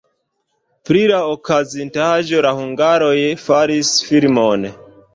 Pri la okazintaĵo la hungaroj faris filmon.